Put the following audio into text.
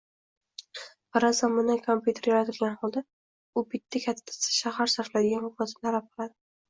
Farazan, bunday kompyuter yaratilgan holda u bitta katta shahar sarflaydigan quvvatni talab qiladi.